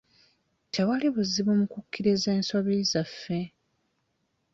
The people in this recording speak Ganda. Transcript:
Tewali buzibu mu kukkiriza ensobi zaffe.